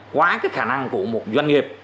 quá cái khả năng của một doanh nghiệp